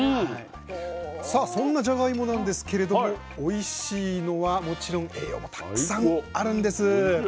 さあそんなじゃがいもなんですけれどもおいしいのはもちろん栄養もたくさんあるんです。